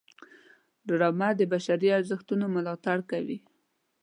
ډرامه د بشري ارزښتونو ملاتړ کوي